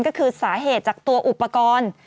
ก็คือสาเหตุจากตัวอุปกรณ์